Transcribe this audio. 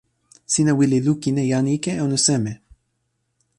sina wile lukin e jan ike, anu seme?